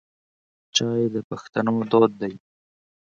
چای د پښتنو دود دی.